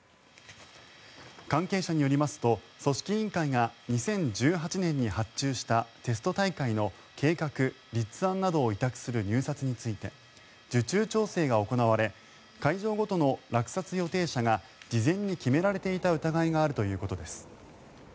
関係者によりますと組織委員会が２０１８年に発注したテスト大会の計画立案などを委託する入札について受注調整が行われ会場ごとの落札予定者が事前に決められていた疑いがあるということです。